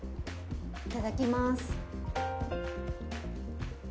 いただきます。